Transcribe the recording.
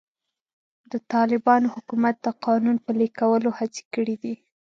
د طالبانو حکومت د قانون پلي کولو هڅې کړې دي.